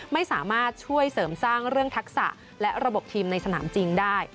ไม่สามารถช่วยเสริมสร้างเรื่องทักษะและระบบทีมในสนามจริงได้